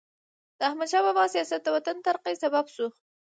د احمدشاه بابا سیاست د وطن د ترقۍ سبب سو.